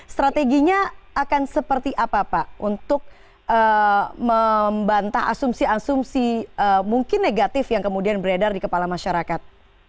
strateginya akan seperti apa pak untuk membantah asumsi asumsi mungkin negatif yang kemudian beredar di kepala masyarakat